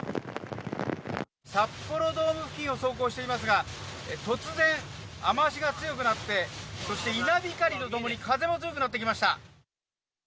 札幌ドーム付近を走行していますが、突然、雨足が強くなって、そして稲光とともに、風も強くなってきました。